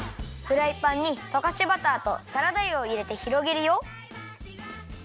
フライパンにとかしバターとサラダ油をいれてひろげるよ。